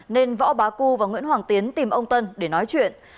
nên võ bá cư và nguyễn hoàng tiến tìm ông tân để nói chuyện